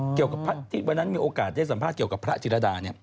เกี่ยวกับที่วันนั้นมีโอกาสได้สัมภาษณ์เกี่ยวกับพระจิรดา